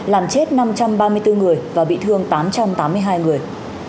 làm chết năm trăm ba mươi bốn người và bị thương tám trăm tám mươi hai người